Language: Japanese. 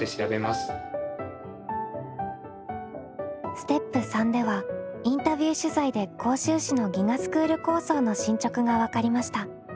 ステップ３ではインタビュー取材で甲州市の「ＧＩＧＡスクール構想」の進捗が分かりました。